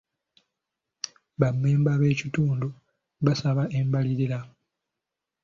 Ba mmemba b'ekitundu baasaba embalirira.